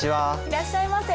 いらっしゃいませ。